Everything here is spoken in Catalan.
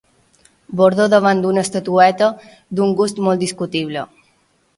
Bordo davant d'una estatueta d'un gust molt discutible.